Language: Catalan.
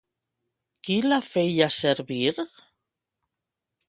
Qui la feia servir?